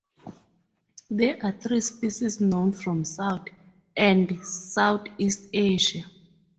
There are three species known from South and Southeast Asia.